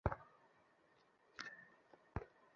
দেখি শুরু কোথা থেকে হয়েছে?